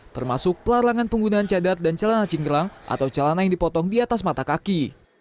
termasuk pelarangan penggunaan cadar dan celana cingkrang atau celana yang dipotong di atas mata kaki